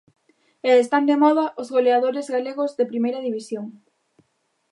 E están de moda os goleadores galegos de Primeira División.